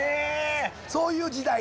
そういう時代。